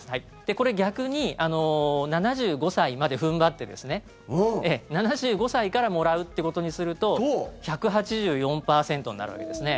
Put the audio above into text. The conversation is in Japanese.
これ、逆に７５歳まで踏ん張って７５歳からもらうってことにすると１８４％になるわけですね。